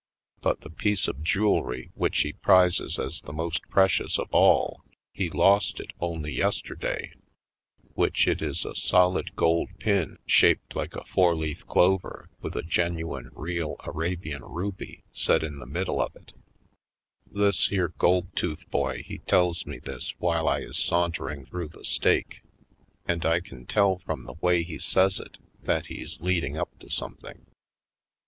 But the piece of jewelry which he prizes as the most precious of all, he lost it only yesterday; which it is a solid gold pin shaped like a four leaf clover with a genuine real Arabian ruby set in the middle Harlem Heights 79 of it. This here gold tooth boy he tells me this while I is sauntering through the steak. And I can tell from the way he says it that he's leading up to something.